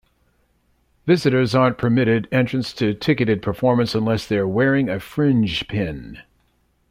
Visitors aren't permitted entrance to ticketed performance unless their wearing a Fringe Pin.